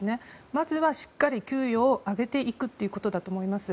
まずはしっかり給与を上げていくということだと思います。